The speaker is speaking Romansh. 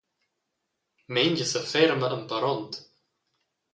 Mengia seferma emparond.